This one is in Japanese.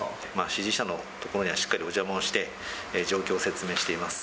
支持者の所には、しっかりお邪魔をして、状況を説明しています。